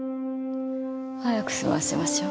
早く済ませましょう。